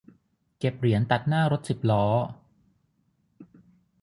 เก็บเหรียญตัดหน้ารถสิบล้อ